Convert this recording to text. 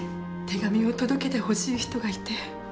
手紙を届けてほしい人がいて。